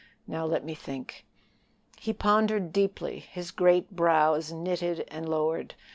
Now let me think." He pondered deeply, his great brows knitted and lowered.